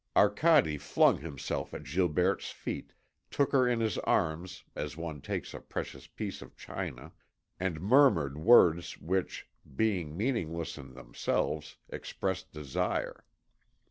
Arcade flung himself at Gilberte's feet, took her in his arms as one takes a precious piece of china, and murmured words which, being meaningless in themselves, expressed desire.